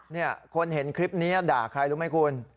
เนี่ยคนเห็นคลิปนี้ด่าใครรู้ไหมคุณ